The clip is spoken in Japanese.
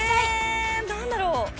え何だろう？